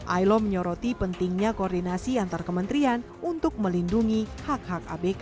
ailo menyoroti pentingnya koordinasi antar kementerian untuk melindungi hak hak abk